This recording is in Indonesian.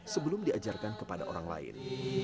sebelum diajarkan kepada orang lain